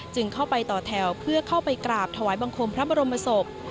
เข้าไปต่อแถวเพื่อเข้าไปกราบถวายบังคมพระบรมศพ